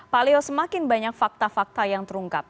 pak leo semakin banyak fakta fakta yang terungkap